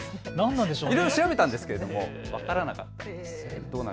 いろいろ調べたんですけど分からなかったです。